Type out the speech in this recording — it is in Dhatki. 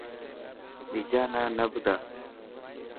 ٻيجا نا نه ٻڌا.